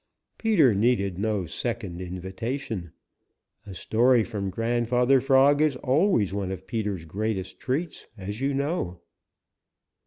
Peter needed no second invitation. A story from Grandfather Frog is always one of Peter's greatest treats, as you know.